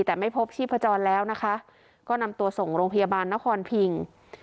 แต่ไม่พบชีพจรแล้วนะคะก็นำตัวส่งโรงพยาบาลนครพิง